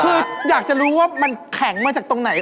คืออยากจะรู้ว่ามันแข็งมาจากตรงไหน